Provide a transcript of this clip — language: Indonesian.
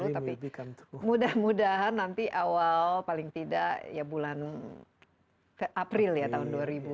tapi mudah mudahan nanti awal paling tidak ya bulan april ya tahun dua ribu dua puluh